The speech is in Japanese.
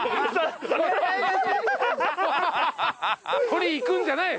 とりにいくんじゃない！